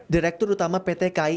direktur utama pt kai